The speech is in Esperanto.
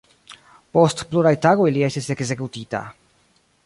Post pluraj tagoj li estis ekzekutita.